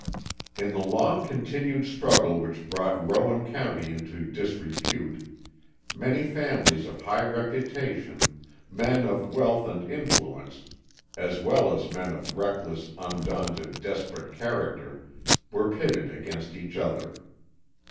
In the long continued struggle which brought Rowan County into disrepute, many families of high reputation, men of wealth and influence, as well as men of reckless, undaunted, desperate character, were pitted against each other.